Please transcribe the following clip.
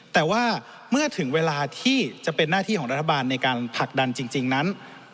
แต่ว่าเมื่อถึงเวลาที่จะเป็นหน้าที่ของรัฐบาลในการผลักดันจริงนั้น